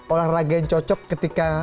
olahraga yang cocok ketika